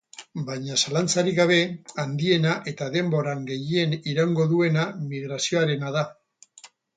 Baina zalantzarik gabe handiena eta denboran gehien iraungo duena migrazioarena da.